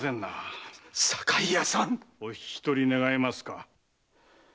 堺屋さん！お引き取り願えますか。